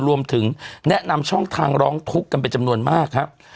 รวมถึงแนะนำช่องทางร้องทุกข์กันเป็นจำนวนมากครับ